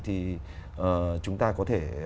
thì chúng ta có thể